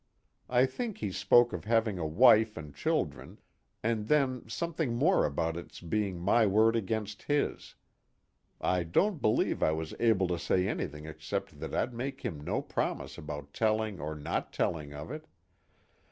I think he spoke of having a wife and children, and then something more about it's being my word against his. I don't believe I was able to say anything except that I'd make him no promises about telling or not telling of it.